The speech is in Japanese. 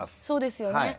そうですよね。